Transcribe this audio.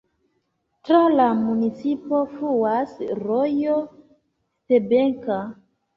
Tra la municipo fluas rojo Stebenka.